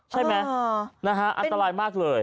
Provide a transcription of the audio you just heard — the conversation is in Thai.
ใช่ไหมอันตรายมากเลย